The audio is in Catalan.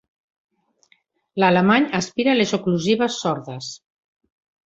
L'alemany aspira les oclusives sordes.